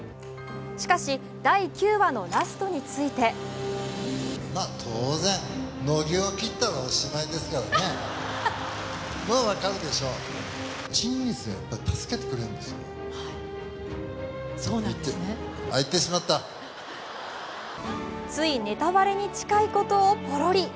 しかし第９話のラストについてついネタバレに近いことをポロリ。